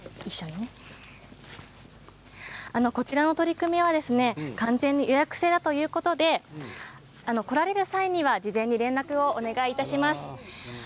こちらの取り組みは完全に予約制だということです。来られる際には事前に連絡をお願いします。